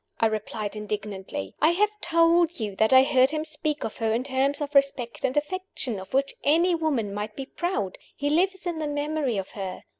I replied, indignantly. "I have told you that I heard him speak of her in terms of respect and affection of which any woman might be proud. He lives in the memory of her.